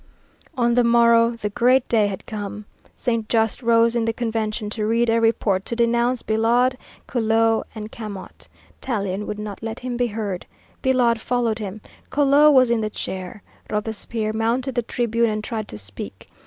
" On the morrow the great day had come. Saint Just rose in the Convention to read a report to denounce Billaud, Collot, and Camot. Tallien would not let him be heard. Billaud followed him. Collot was in the chair. Robespierre mounted the tribune and tried to speak.